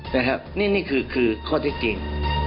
นะครับนี่คือข้อที่จริง